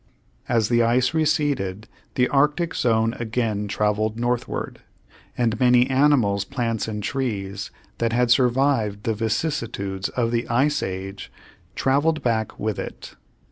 As the ice receded the arctic zone again traveled northward, and many animals, plants, and trees that had survived the vicissitudes of the ice age, traveled back with it.